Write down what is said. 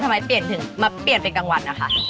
ทำไมเปลี่ยนถึงมาเปลี่ยนเป็นกลางวันนะคะ